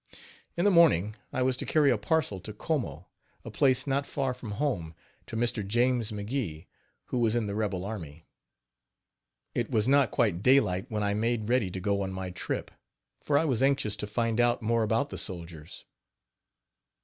In the morning I was to carry a parcel to Como, a place not far from home, to Mr. James McGee, who was in the rebel army. It was not quite daylight when I made ready to go on my trip, for I was anxious to find out more about the soldiers.